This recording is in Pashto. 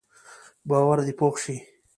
باور دې پوخ شي.